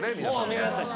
皆さん。